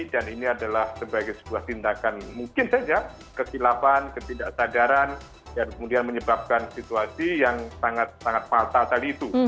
dan ini adalah sebagai sebuah tindakan mungkin saja kesilapan ketidaksadaran dan kemudian menyebabkan situasi yang sangat sangat fatal tadi itu